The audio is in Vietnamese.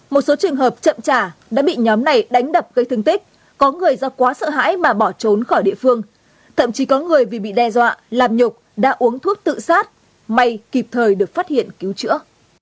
một số trường hợp chậm trả đã bị nhóm này đánh đập gây thương tích có người do quá sợ hãi mà bỏ trốn khỏi địa phương thậm chí có người vì bị đe dọa làm nhục đã uống thuốc tự sát may kịp thời được phát hiện cứu chữa